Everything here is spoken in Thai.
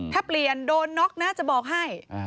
ถ้าเปลี่ยนโดนน็อกนะจะบอกให้